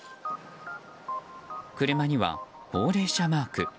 車には高齢者マーク。